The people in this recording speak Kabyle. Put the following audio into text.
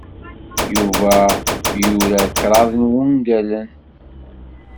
Yuba yura kraḍ n wungalen.